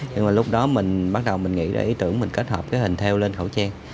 nhưng mà lúc đó mình bắt đầu mình nghĩ ra ý tưởng mình kết hợp cái hình theo lên khẩu trang